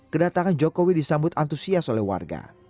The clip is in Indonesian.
kedatangan jokowi disambut antusias oleh warga